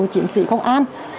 chiến sĩ công an